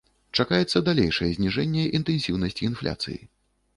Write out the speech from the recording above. Чакаецца далейшае зніжэнне інтэнсіўнасці інфляцыі.